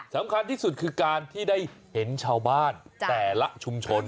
สำคัญที่สุดคือการที่ได้เห็นชาวบ้านแต่ละชุมชน